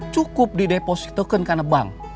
cukup dideposito kan karena bank